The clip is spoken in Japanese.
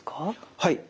はい。